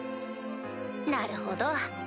なるほど。